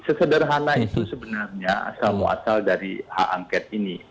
sesederhana itu sebenarnya asal muasal dari hak angket ini